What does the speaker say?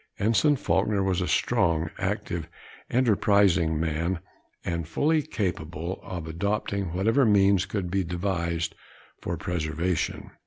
Ensign Faulkner was a strong, active, enterprising man, and fully capable of adopting whatever means could be devised for preservation.